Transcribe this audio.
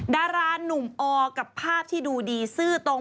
ดารานุ่มอกับภาพที่ดูดีซื่อตรง